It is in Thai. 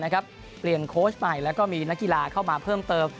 เปลี่ยนโค้ชใหม่แล้วก็มีนักกีฬาเข้ามาเพิ่มเติม